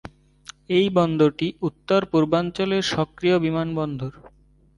এই বন্দরটি উত্তর-পূর্বাঞ্চলের সক্রিয় বিমান বন্দর।